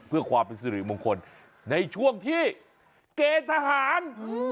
เพื่อความประสิทธิบงคลในช่วงที่เกษทหาร